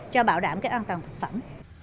cho bảo đảm cái an toàn thực phẩm